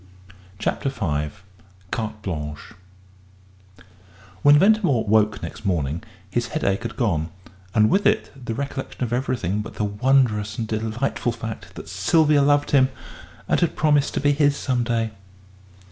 CHAPTER V CARTE BLANCHE When Ventimore woke next morning his headache had gone, and with it the recollection of everything but the wondrous and delightful fact that Sylvia loved him and had promised to be his some day.